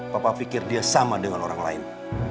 papa pikir dia sama dengan orang lain